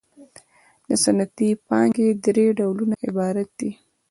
د صنعتي پانګې درې ډولونه عبارت دي